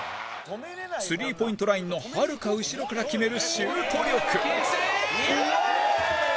スリーポイントラインのはるか後ろから決めるシュート力！